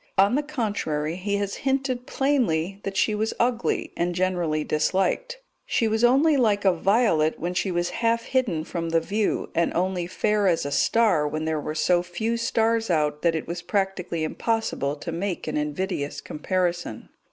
On the contrary, he has hinted plainly that she was ugly, and generally disliked; she was only like a violet when she was half hidden from the view, and only fair as a star when there were so few stars out that it was practically impossible to make an invidious comparison.